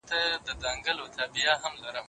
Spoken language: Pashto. د اوړي په ورځو کي لږ بهر وځئ.